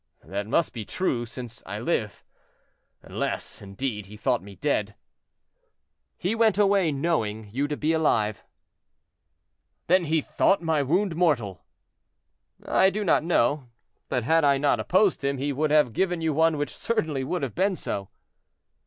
"That must be true, since I live; unless, indeed, he thought me dead." "He went away knowing you to be alive." "Then he thought my wound mortal." "I do not know; but had I not opposed him, he would have given you one which certainly would have been so."